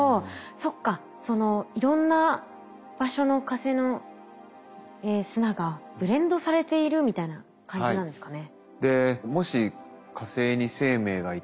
そっかそのいろんな場所の火星の砂がブレンドされているみたいな感じなんですかね。